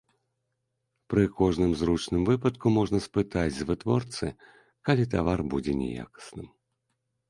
Пры кожным зручным выпадку можна спытаць з вытворцы, калі тавар будзе няякасным.